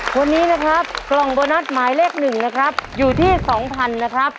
คนนี้นะครับกล่องโบนัสหมายเลข๑นะครับอยู่ที่๒๐๐๐นะครับ